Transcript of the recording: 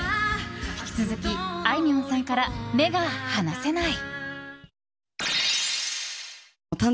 引き続き、あいみょんさんから目が離せない。